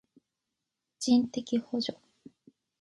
人的補償